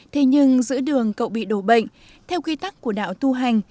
thế nhưng giữa đường cậu bị đổ bệnh theo quy tắc của đạo tu hành